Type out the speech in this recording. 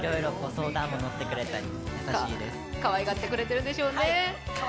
かわいがってくれてるんでしょうね。